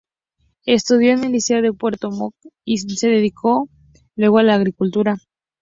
Estudió en el Liceo de Puerto Montt y se dedicó luego a la agricultura.